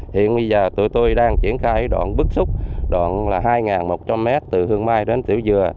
hiện bây giờ tụi tôi đang triển khai đoạn bức xúc đoạn là hai một trăm linh m từ hương mai đến tiểu dừa